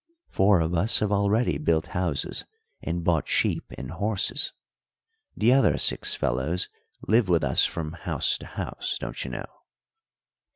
Four of us have already built houses and bought sheep and horses. The other six fellows live with us from house to house, don't you know.